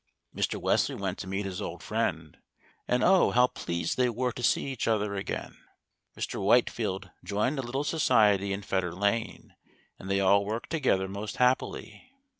Mr. Wesley went to meet his old friend, and, oh! how pleased they were to see each other again. Mr. Whitefield joined the little society in Fetter Lane, and they all worked together most happily.